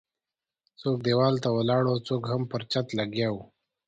څوک ديوال ته ولاړ وو او څوک هم پر چت لګیا وو.